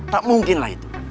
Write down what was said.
tak mungkin lah itu